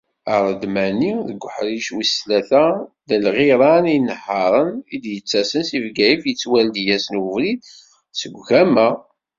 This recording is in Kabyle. Aredmani deg uḥric wis tlata n lɣiran, inehharen i d-yettasen seg Bgayet yettwaldi-asen ubrid seg ugama.